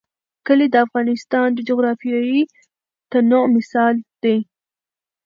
کلي د افغانستان د جغرافیوي تنوع مثال دی.